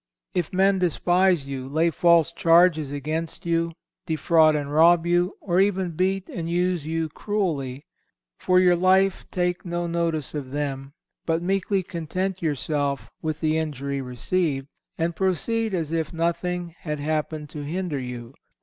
If men despise you, lay false charges against you, defraud and rob you, or even beat and use you cruelly, for your life take no notice of them, but meekly content yourself with the injury received, and proceed as if nothing had happened to hinder you.